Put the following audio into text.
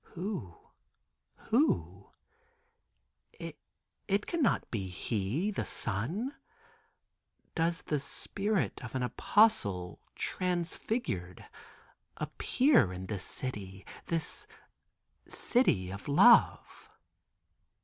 "Who, who? It cannot be He, the Son. Does the spirit of an apostle transfigured appear in this city—this city of love?